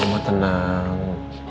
udah mama tenang